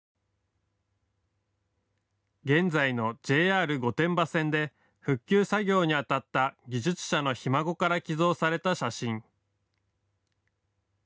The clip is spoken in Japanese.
現在のＪＲ御殿場線で復旧作業に当たった技術者のひ孫から寄贈された写真。